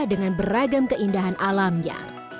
dengan beragam keindahan alamnya